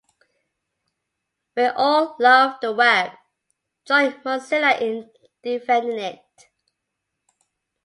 We all love the Web. Join Mozilla in defending it.